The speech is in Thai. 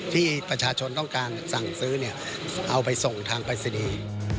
ที่ประชาชนต้องการสั่งซื้อเนี่ยเอาไปส่งทางปรายศนีย์